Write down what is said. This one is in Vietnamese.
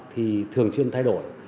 thì thường xuyên thay đổi